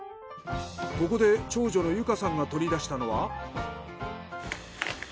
ここで長女の有加さんが取り出したのは。